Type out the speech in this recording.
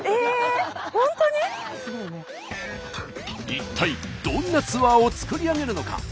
一体どんなツアーを作り上げるのか？